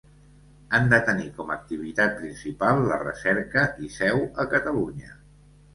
Han de tenir com activitat principal la recerca i seu a Catalunya.